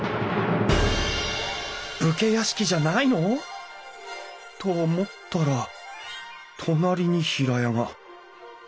武家屋敷じゃないの！？と思ったら隣に平屋が。